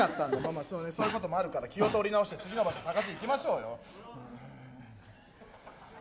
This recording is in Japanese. そういうこともあるから気を取り直して次の場所行きましょうよ。